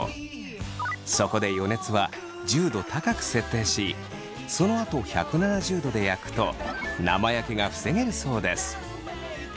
そこで予熱は１０度高く設定しそのあと１７０度で焼くと生焼けが防げるそうです。